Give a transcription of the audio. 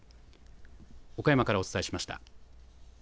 岡山からお伝えしました。